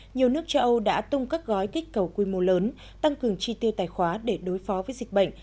nhiều nước châu âu đã tung các gói kích cầu quy mô lớn tăng cường chi tiêu tài khoá để đối phó với dịch bệnh